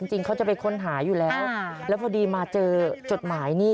จริงเขาจะไปค้นหาอยู่แล้วแล้วพอดีมาเจอจดหมายนี่